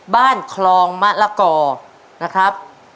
บ้านคลองมะละกอนะครับ